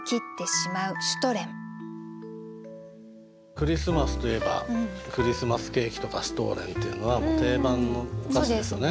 クリスマスといえばクリスマスケーキとかシュトレンっていうのは定番のお菓子ですよね。